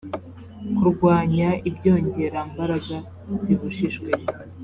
kurwanya ibyongerambaraga bibujijwe